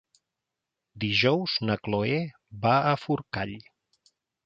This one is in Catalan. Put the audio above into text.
Dijous na Cloè va a Forcall.